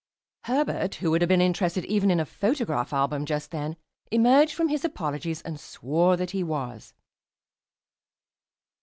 Herbert, who would have been interested even in a photograph album just then, emerged from his apologies and swore that he was.